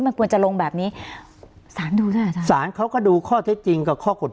มันควรจะลงแบบนี้สารดูใช่ไหมคะสารเขาก็ดูข้อเท็จจริงกับข้อกลบ